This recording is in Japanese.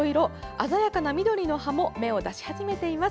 鮮やかな緑の葉も芽を出し始めています。